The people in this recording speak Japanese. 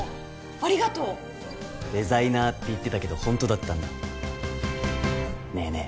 ありがとうデザイナーって言ってたけどホントだったんだねえねえ